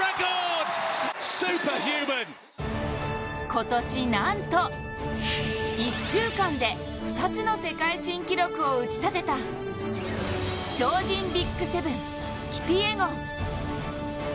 今年、なんと１週間で２つの世界新記録を打ち立てた超人ＢＩＧ７、キピエゴン。